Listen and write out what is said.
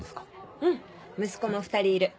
うん息子も２人いる。